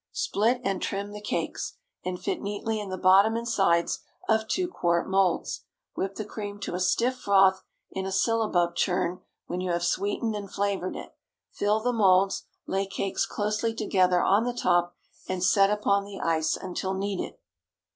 Split and trim the cakes, and fit neatly in the bottom and sides of two quart moulds. Whip the cream to a stiff froth in a syllabub churn when you have sweetened and flavored it; fill the moulds, lay cakes closely together on the top, and set upon the ice until needed.